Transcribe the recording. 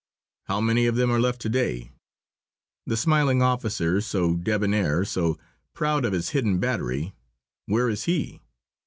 How many of them are left to day? The smiling officer, so debonair, so proud of his hidden battery, where is he?